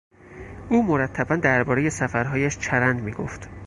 او مرتبا دربارهی سفرهایش چرند میگفت.